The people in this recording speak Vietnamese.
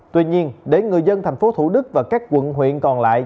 tuy nhiên để người dân tp thủ đức và các quận huyện còn lại